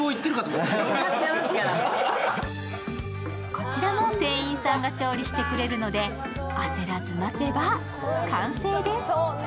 こちらも店員さんが調理してくれるので焦らず待てば完成です。